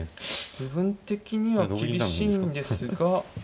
部分的には厳しいんですが。